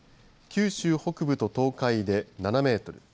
九州北部と東海で７メートル